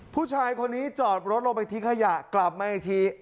ผู้ชายคนนี้จอดรถลงไปทิ้งขยะกลับมาอีกที